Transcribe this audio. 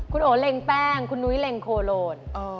คุณโอเล็งแป้งคุณนุ้ยเล็งโคโลน